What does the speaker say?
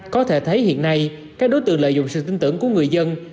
có thể thấy hiện nay các đối tượng lợi dụng sự tin tưởng của người dân